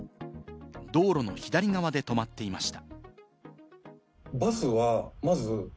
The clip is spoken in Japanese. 道路の左側で止まっていました。